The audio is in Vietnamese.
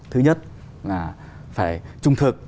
thứ nhất là phải trung thực